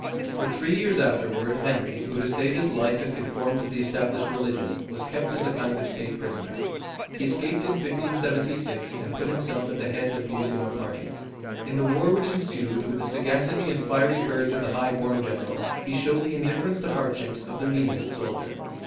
For three years afterward Henry, who to save his life had conformed to the established religion, was kept as a kind of state prisoner. He escaped in 1576, and put himself at the head of the Huguenot party. In the war which ensued, with the sagacity and fiery courage of the high born general, he showed the indifference to hardships of the meanest soldier.